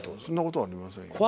そんなことはありませんよ。